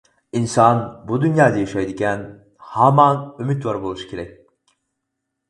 ئىنسان بۇ دۇنيادا ياشايدىكەن ھامان ئۈمىدۋار بولۇش كېرەك.